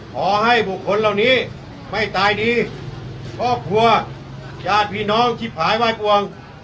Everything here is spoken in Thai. ขอให้บุคคลเหล่านี้ไม่ตายดีครอบครัวญาติพี่น้องที่ผายไห้กวง